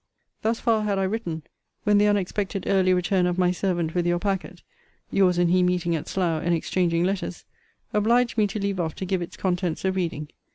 Thus far had I written, when the unexpected early return of my servant with your packet (your's and he meeting at Slough, and exchanging letters) obliged me to leave off to give its contents a reading.